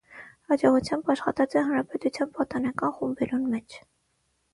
Յաջողութեամբ աշխատած է հանրապետութեան պատանեկան խումբերուն մէջ։